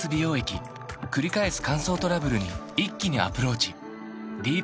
くり返す乾燥トラブルに一気にアプローチ